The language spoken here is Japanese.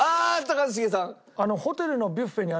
一茂さん。